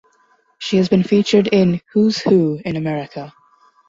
She has been featured in "Who's Who in America".